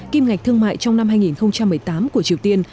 kim ngạch thương mại trong năm hai nghìn một mươi tám của triều tiên